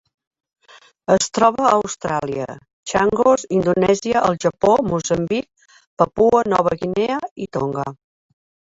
Es troba a Austràlia, Chagos, Indonèsia, el Japó, Moçambic, Papua Nova Guinea i Tonga.